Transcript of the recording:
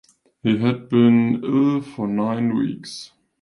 He had been ill for nine weeks.